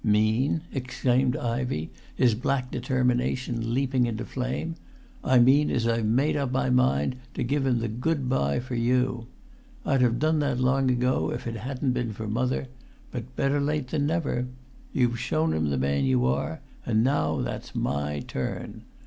"Mean?" exclaimed Ivey, his black determination leaping into flame. "I mean as I've made up my mind to give him the go by for you. I'd have done[Pg 233] that long ago if it hadn't been for mother; but better late than never. You've shown 'em the man you are, and now that's my turn.